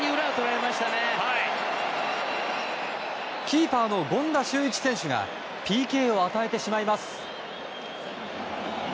キーパーの権田修一選手がＰＫを与えてしまいます。